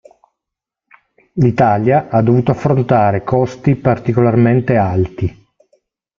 L'Italia ha dovuto affrontare costi particolarmente alti.